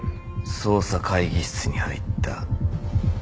捜査会議室に入った。